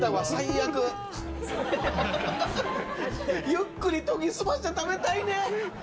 ゆっくり研ぎ澄ませて食べたいね。